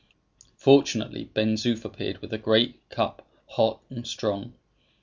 Fortunately, Ben Zoof appeared with a great cup, hot and strong.